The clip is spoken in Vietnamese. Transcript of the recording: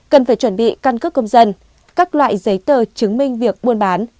cần phải chuẩn bị căn cước công dân các loại giấy tờ chứng minh việc buôn bán